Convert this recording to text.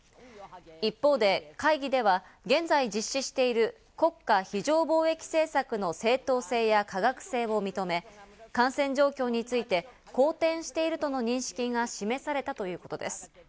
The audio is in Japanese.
一方で会議では現在実施している国家非常防疫政策の正当性や科学性を認め、感染状況について好転しているとの認識が示されたということです。